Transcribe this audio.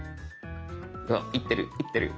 いってるいってる。